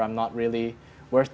saya tidak siap atau